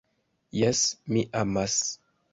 Jes, mi amas.